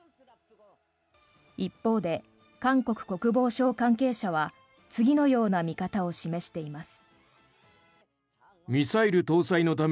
一方で韓国国防省関係者は次のような見方を示しています。